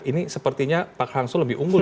ini sepertinya pak hangso lebih unggul